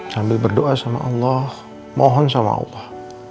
sambil berdoa sama allah mohon sama allah